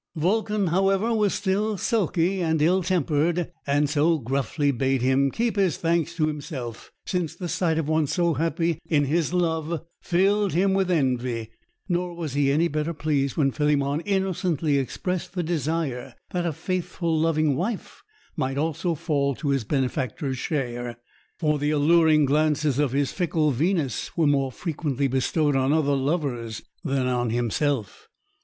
Vulcan, however, was still sulky and ill tempered, and so gruffly bade him keep his thanks to himself, since the sight of one so happy in his love filled him with envy; nor was he any better pleased when Philemon innocently expressed the desire that a faithful loving wife might also fall to his benefactor's share, for the alluring glances of his fickle Venus were more frequently bestowed on other lovers than on himself!